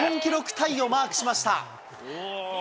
タイをマークしました。